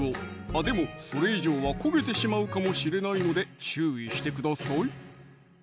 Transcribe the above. でもそれ以上は焦げてしまうかもしれないので注意してください！